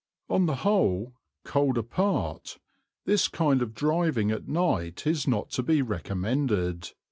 On the whole, cold apart, this kind of driving at night is not to be recommended.